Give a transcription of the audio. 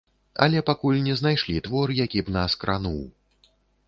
Але пакуль не знайшлі твор, які б нас крануў.